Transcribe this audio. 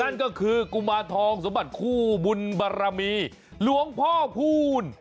นั่นก็คือกุมารทองสมบัติคู่บุญบารมีหลวงพ่อคูณ